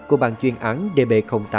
của bàn chuyên án db tám